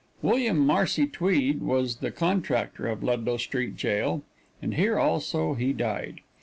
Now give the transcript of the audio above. William Marcy Tweed was the contractor of Ludlow Street Jail, and here also he died.